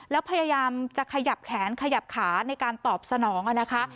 แล้วพยายามจะขยับแขนขยับขาในการตอบสนองนะคะ